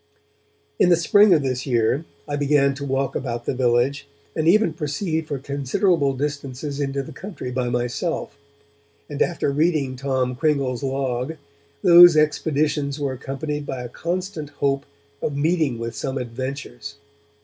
In the spring of this year, I began to walk about the village and even proceed for considerable distances into the country by myself, and after reading Tom Cringle's Log those expeditions were accompanied by a constant hope of meeting with some adventures.